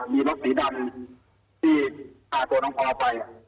มีรถสีดำที่ฆ่าตัวน้องปอไป